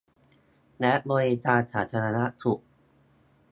และบริการสาธารณสุข